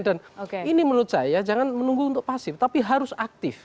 dan ini menurut saya jangan menunggu untuk pasif tapi harus aktif